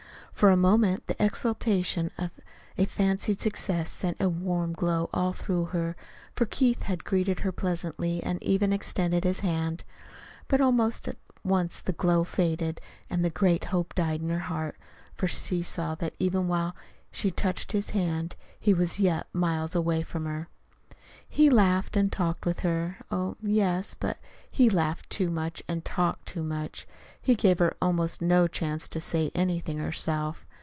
For a moment the exultation of a fancied success sent a warm glow all through her, for Keith had greeted her pleasantly and even extended his hand. But almost at once the glow faded and the great hope died in her heart, for she saw that even while she touched his hand, he was yet miles away from her. He laughed and talked with her oh, yes; but he laughed too much and talked too much. He gave her almost no chance to say anything herself.